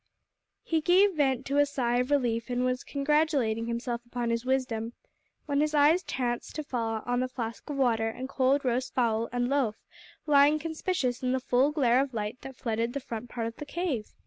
He gave vent to a sigh of relief, and was congratulating himself upon his wisdom, when his eyes chanced to fall on the flask of water and cold roast fowl and loaf lying conspicuous in the full glare of light that flooded the front part of the cave!